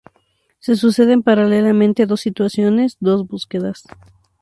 Se suceden paralelamente dos situaciones, dos búsquedas.